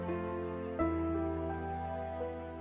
kini bisa menjadi terdidik mandiri serta percaya diri